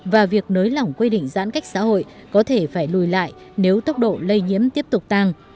và việc nới lỏng quy định giãn cách xã hội có thể phải lùi lại nếu tốc độ lây nhiễm tiếp tục tăng